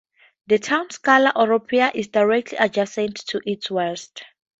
The town Skala Oropou is directly adjacent to its west.